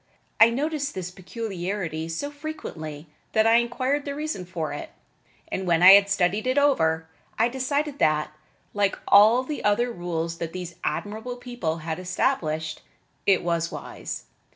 I noticed this peculiarity so frequently that I inquired the reason for it, and when I had studied it over I decided that, like all the other rules that these admirable people had established, it was wise.